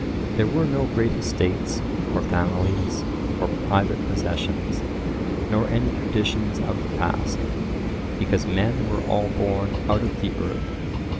There were no great estates, or families, or private possessions, nor any traditions of the past, because men were all born out of the earth.